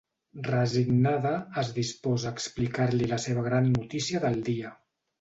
Resignada, es disposa a explicar-li la seva gran notícia del dia.